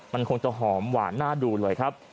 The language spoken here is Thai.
มันคงจะหอมหวานน่าดูเลยครับ